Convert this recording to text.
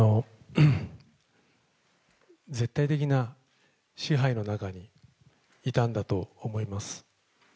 絶対的な支配の中にいたんだと思います。